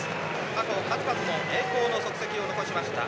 過去、数々の栄光の足跡を残しました。